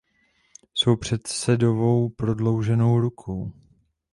Jsou předsedovou prodlouženou rukou.